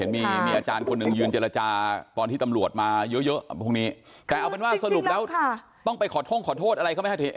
เพราะดิเห็นมีอาจารย์คนนึงยืนเจรจากับตำรวจมาเยอะพรุ่งนี้แต่เอาเป็นว่าสรุปแล้วต้องไปขอโทษอะไรก็ไม่ให้เพียง